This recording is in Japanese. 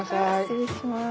失礼します。